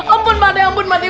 ampun padahal ampun padahal